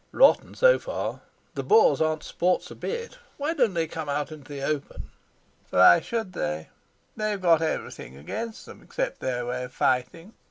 "Rotten, so far. The Boers aren't sports a bit. Why don't they come out into the open?" "Why should they? They've got everything against them except their way of fighting.